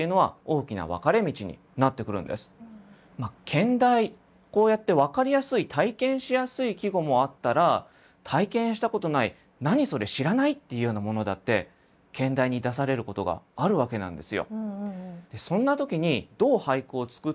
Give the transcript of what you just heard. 兼題こうやって分かりやすい体験しやすい季語もあったら体験したことない何それ知らないっていうようなものだってでそんな時にそれは取り合わせといいます。